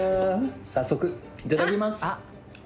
早速いただきます。